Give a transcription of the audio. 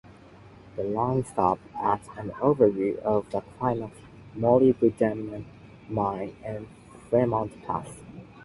The line stops at an overview of the Climax Molybdenum Mine and Fremont Pass.